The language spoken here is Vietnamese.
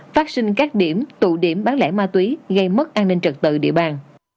phát sinh các điểm tụ điểm bán lẻ ma túy gây mất an ninh trật tự địa bàn